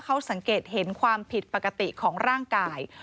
เขาสังเกตเห็นความผิดปกติของร่างกาย